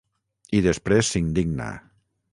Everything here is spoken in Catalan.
I després s'indigna.